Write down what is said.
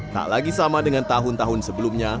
tak lagi sama dengan tahun tahun sebelumnya